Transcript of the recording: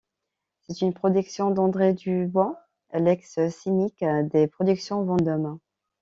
C’est une production d’André Dubois, l’ex-Cynique, des Productions Vendôme.